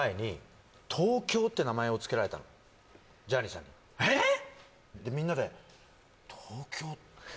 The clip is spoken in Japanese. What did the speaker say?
実はジャニーさんにえっ！？